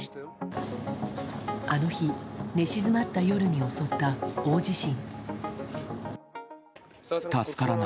あの日寝静まった夜に襲った大地震。